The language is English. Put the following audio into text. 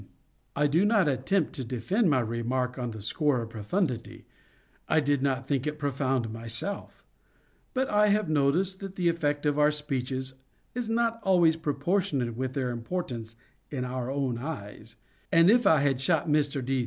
'" I do not attempt to defend my remark on the score of profundity; I did not think it profound myself; but I have noticed that the effect of our speeches is not always proportionate with their importance in our own eyes; and if I had shot Mr. D.